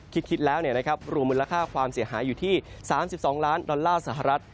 คิดแล้วรวมมูลค่าความเสียหายอยู่ที่๓๒ล้านดอลลาร์สหรัฐ